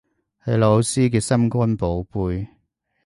係老師嘅心肝寶貝